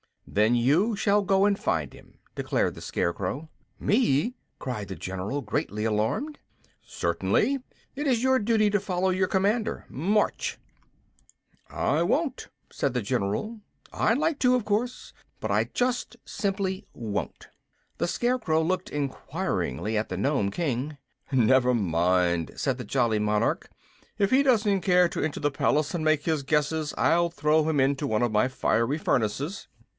"Then you shall go and find him," declared the Scarecrow. "Me!" cried the general, greatly alarmed. "Certainly. It is your duty to follow your commander. March!" "I won't," said the general. "I'd like to, of course; but I just simply WON'T." The Scarecrow looked enquiringly at the Nome King. "Never mind," said the jolly monarch. "If he doesn't care to enter the palace and make his guesses I'll throw him into one of my fiery furnaces."